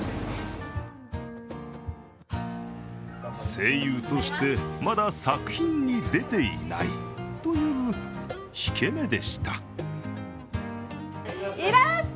声優としてまだ作品に出ていないという引け目でした。